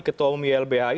ketua umulb ai